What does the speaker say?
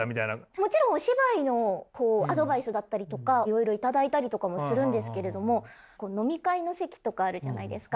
もちろんお芝居のアドバイスだったりとかいろいろ頂いたりとかもするんですけれども飲み会の席とかあるじゃないですか。